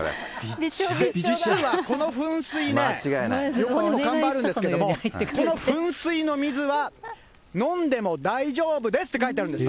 実はこの噴水ね、横にも看板あるんですけど、この噴水の水は飲んでも大丈夫ですって書いてあるんです。